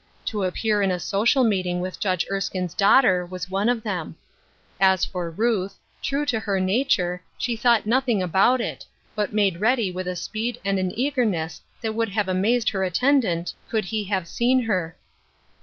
To appear in a social meeting with Judge Erskine's daughter was one of them. As for Ruth, true to her nature, she thought nothing about % but made ready with a speed and an S4 Ruth Urskines Crosses. eaeerness that would have amazed her attend ant, could he have seen her.